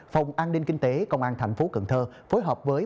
phòng an ninh kinh tế công an thành phố cần thơ phối hợp với